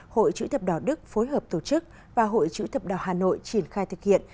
hội chữ thập đỏ đức phối hợp tổ chức và hội chữ thập đỏ hà nội triển khai thực hiện